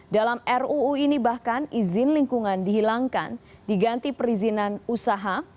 dalam ruu ini bahkan izin lingkungan dihilangkan diganti perizinan usaha